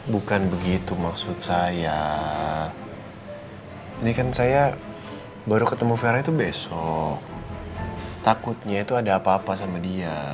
bukan begitu maksud saya ini kan saya baru ketemu vera itu besok takutnya itu ada apa apa sama dia